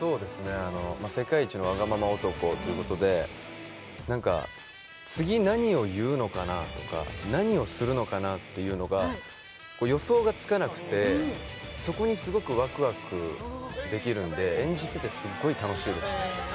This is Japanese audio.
世界一のワガママ男ということで、次何を言うのかなとか、何をするのかなというのが予想がつかなくてそこにすごくワクワクできるので、演じてて、すっごく楽しいです。